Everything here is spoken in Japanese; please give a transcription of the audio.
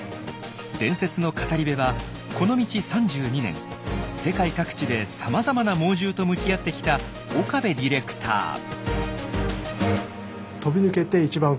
伝説の語り部はこの道３２年世界各地でさまざまな猛獣と向き合ってきた岡部ディレクター。